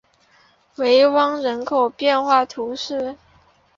维旺人口变化图示